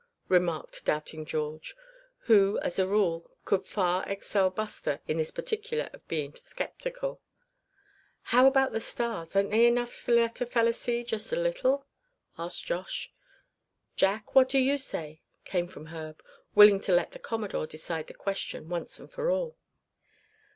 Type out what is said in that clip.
remarked doubting George, who as a rule could far excel Buster in this particular of being skeptical. "How about the stars; ain't they enough to let a feller see just a little?" asked Josh. "Jack, what do you say?" came from Herb, willing to let the Commodore decide the question once and for all.